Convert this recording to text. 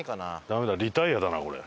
ダメだリタイアだなこれ。